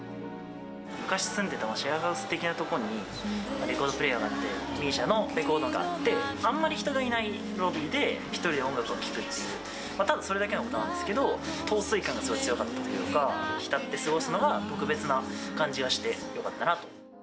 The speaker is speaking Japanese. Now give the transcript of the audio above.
昔住んでいたシェアハウス的なとこに、レコードプレーヤーがあって、ＭＩＳＩＡのレコードがあって、あんまり人がいないロビーで、１人で音楽を聴くっていう、ただそれだけのことなんですけど、陶酔感がすごい強かったというか、浸って過ごすのが特別な感じがしてよかったなと。